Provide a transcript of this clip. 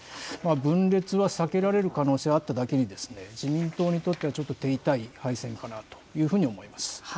分裂は避けられる可能性はあっただけに、自民党にとっては、ちょっと手痛い敗戦かなというふうに思います。